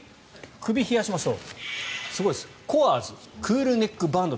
首を冷やしましょう。